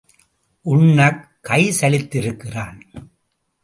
உண்ணக் கை சலித்திருக்கிறான்.